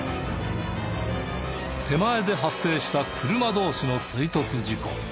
手前で発生した車同士の追突事故。